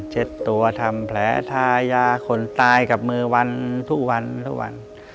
เช็ดตัวทำแผลทายาคนตายกับมือวันทุกวันทุกวัน